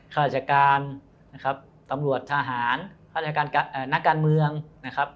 ฆาติการนะครับตำรวจทหารฆาติการนักการเมืองนะครับ